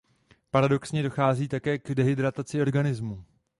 Paradoxně dochází také k dehydrataci organismu.